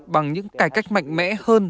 bằng những cải cách mạnh mẽ hơn